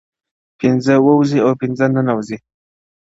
• پنځه ووزي او پنځه په ننوزي -